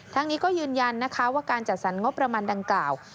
ทั้งนี้ก็ยืนยันนะคะว่าการจัดสรรงบประมาณดังกล่าว